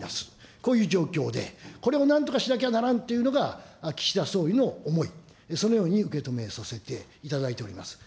こういう状況で、これをなんとかしなきゃならんというのが、岸田総理の思い、そのように受け止めさせていただいています。